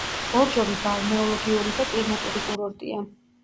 ბორჯომი ბალნეოლოგიური და კლიმატური კურორტია.